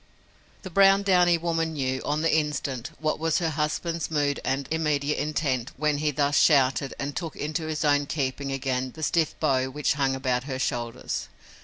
The brown, downy woman knew, on the instant, what was her husband's mood and immediate intent when he thus shouted and took into his own keeping again the stiff bow which hung about her shoulders.